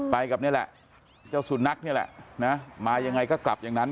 ไปกับนี่แหละเจ้าสุนัขนี่แหละนะมายังไงก็กลับอย่างนั้น